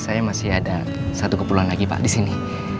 saya masih ada satu kepulauan lagi pak disini